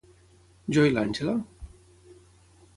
Jo i l'Angela?